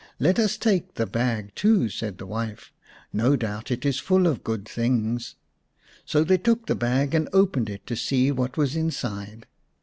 "Let us take the bag too/' said the wife. " No doubt it is full of good things." So they took the bag and opened it to see what was inside.